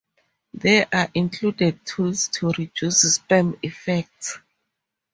There are included tools to reduce spam effects.